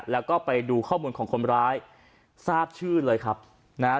แล้วก็ไปดูข้อมูลของคนร้ายทราบชื่อเลยครับนะฮะ